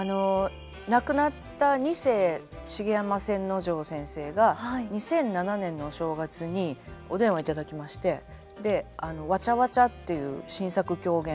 亡くなった二世茂山千之丞先生が２００７年のお正月にお電話頂きまして「わちゃわちゃ」っていう新作狂言を書いてくださいと。